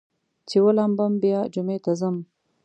چې ولامبم بیا جمعې ته ځم.